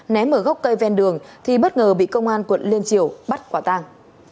ném ở góc cây ven đường thì bất ngờ bị công an quận liên triều bắt quả tàng